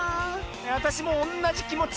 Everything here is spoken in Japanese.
あたしもおんなじきもち。